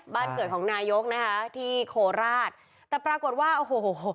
บ้านเกิดของนายกนะคะที่โคราชแต่ปรากฏว่าโอ้โห